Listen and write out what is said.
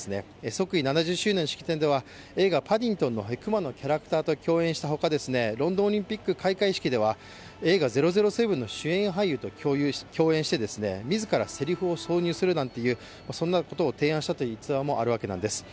即位７０周年式典では、映画の熊のキャラクターと共演したほかロンドンオリンピック開会式では映画「００７」の主演俳優と共演して自ら、せりふを挿入するなんていう逸話もあるわけなんです。